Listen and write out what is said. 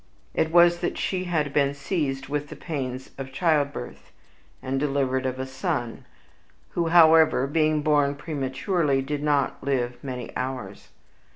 It was that she had been seized with the pains of childbirth, and delivered of a son, who, however, being born prematurely, did not live many hours.